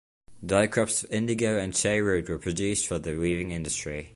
Dye crops of indigo and chay root were produced for the weaving industry.